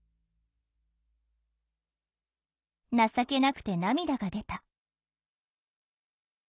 「情けなくて涙が出た」。